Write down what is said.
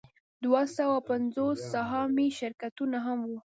دوه سوه پنځوس سهامي شرکتونه هم وو